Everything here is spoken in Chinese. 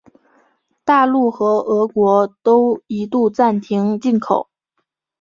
大陆和俄国都一度暂停进口。